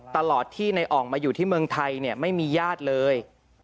ตลอดที่ในอ่องมาอยู่ที่เมืองไทยไม่มีญาติเลย